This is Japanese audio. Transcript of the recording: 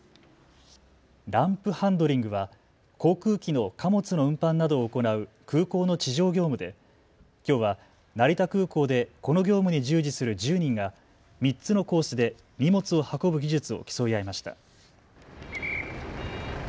ランプハンドリングは航空機の貨物の運搬などを行う空港の地上業務で、きょうは成田空港でこの業務に従事する１０人が３つのコースで荷物を運ぶ技術を競い合いました。